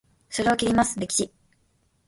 袖を切ります、レシキ。